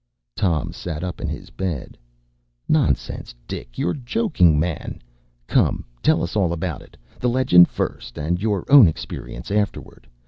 ” Tom sat up in his bed. “Nonsense, Dick; you’re joking, man! Come, tell us all about it; the legend first, and your own experience afterward.